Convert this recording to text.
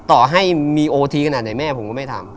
ต่อให้มีโอทีขนาดไหนแม่ผมก็ไม่ทำ